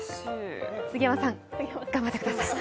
杉山さん、頑張ってください